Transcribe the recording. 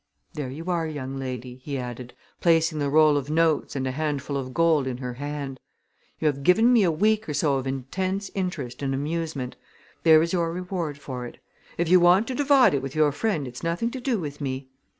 There you are, young lady!" he added, placing the roll of notes and a handful of gold in her hand. "You have given me a week or so of intense interest and amusement. There is your reward for it. If you want to divide it with your friend it's nothing to do with me.